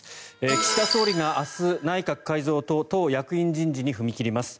岸田総理が明日、内閣改造と役員人事に踏み切ります。